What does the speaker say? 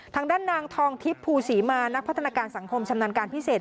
ทางด้านนางทองทิพย์ภูศรีมานักพัฒนาการสังคมชำนาญการพิเศษ